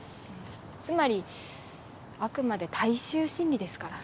つまりあくまで大衆心理ですから。